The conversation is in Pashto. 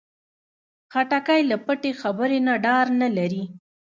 خټکی له پټې خبرې نه ډار نه لري.